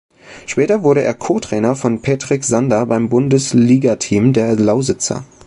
Später wurde er Co-Trainer von Petrik Sander beim Bundesligateam der Lausitzer.